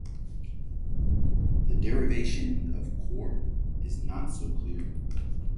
The derivation of "cor" is not so clear.